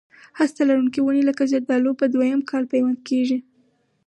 هسته لرونکي ونې لکه زردالو په دوه یم کال پیوند کېږي.